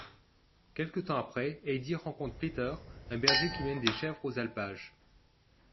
Quelque temps après, Heidi rencontre Peter, un berger qui mène des chèvres aux alpages.